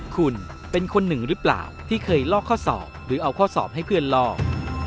คุณเป็นคนหนึ่งหรือเปล่าที่เคยลอกข้อสอบหรือเอาข้อสอบให้เพื่อนลอก